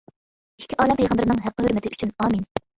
ئىككى ئالەم پەيغەمبىرىنىڭ ھەققى-ھۆرمىتى ئۈچۈن، ئامىن!